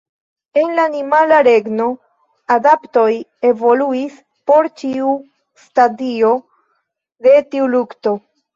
En la animala regno, adaptoj evoluis por ĉiu stadio de tiu lukto.